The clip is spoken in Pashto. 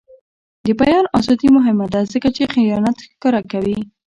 د بیان ازادي مهمه ده ځکه چې خیانت ښکاره کوي.